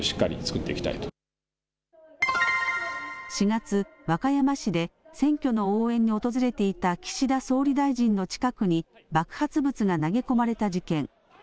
４月、和歌山市で選挙の応援に訪れていた岸田総理大臣の近くに爆発物が投げ込まれた事件。